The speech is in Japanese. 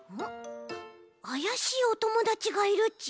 あやしいおともだちがいるち。